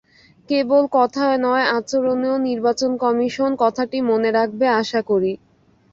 কেবল কথায় নয়, আচরণেও নির্বাচন কমিশন কথাটি মনে রাখবে আশা করি।